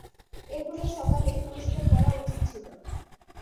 এগুলো সাকলেই পরিষ্কার করা উচিত ছিলো।